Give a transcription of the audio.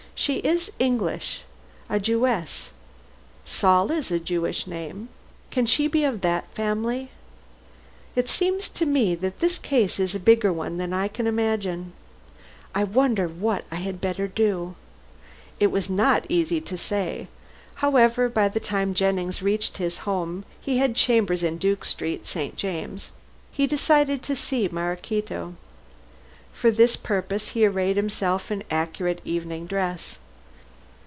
"She is English a Jewess Saul is a Jewish name. Can she be of that family? It seems to me that this case is a bigger one than I imagine. I wonder what I had better do?" It was not easy to say. However, by the time Jennings reached his home he had chambers in Duke Street, St. James' he decided to see Maraquito. For this purpose he arrayed himself in accurate evening dress.